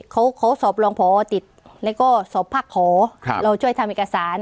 เขาเขาสอบรองพอติดแล้วก็สอบภาคขอครับเราช่วยทำเอกสาร